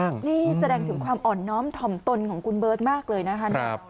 นี่แสดงถึงความอ่อนน้อมถ่อมตนของคุณเบิร์ตมากเลยนะคะ